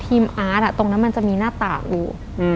ทีมอาร์ตอะตรงนั้นมันจะมีหน้าตาดู